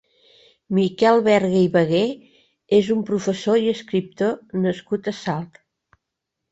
Miquel Berga i Bagué és un professor i escriptor nascut a Salt.